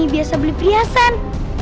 biasa beli priasan